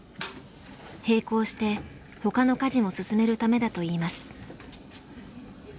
並行してほかの家事も進めるためだといいます。